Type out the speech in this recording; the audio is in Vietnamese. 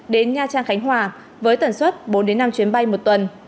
đến nha trang khánh hòa với tần suất bốn năm chuyến bay một tuần